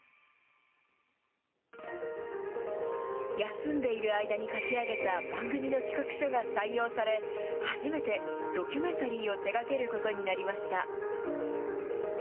休んでいる間に書き上げた番組の企画書が採用され、初めてドキュメンタリーを手がけることになりました。